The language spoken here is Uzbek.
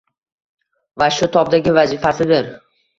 va shu tobdagi vazifasidir.